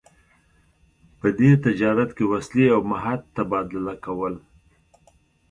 په دې تجارت کې وسلې او مهت تبادله کول.